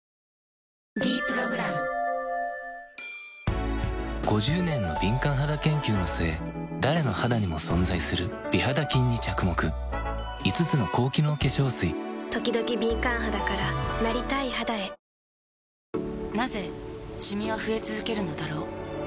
「ｄ プログラム」５０年の敏感肌研究の末誰の肌にも存在する美肌菌に着目５つの高機能化粧水ときどき敏感肌からなりたい肌へなぜシミは増え続けるのだろう